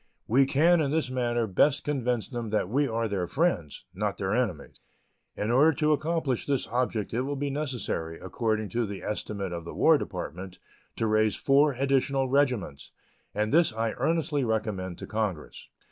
We can in this manner best convince them that we are their friends, not their enemies. In order to accomplish this object it will be necessary, according to the estimate of the War Department, to raise four additional regiments; and this I earnestly recommend to Congress.